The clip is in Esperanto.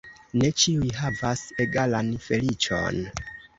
Ne ĉiu havas egalan feliĉon.